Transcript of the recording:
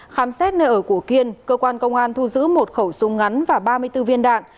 khám xét nơi ở của kiên cơ quan công an thu giữ một khẩu súng ngắn và ba mươi bốn viên đạn